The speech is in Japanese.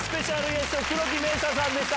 ゲスト黒木メイサさんでした。